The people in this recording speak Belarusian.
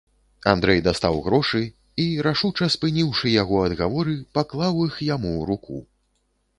Андрэй дастаў грошы і, рашуча спыніўшы яго адгаворы, паклаў іх яму ў руку.